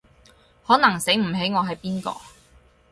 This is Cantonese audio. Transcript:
可能醒唔起我係邊個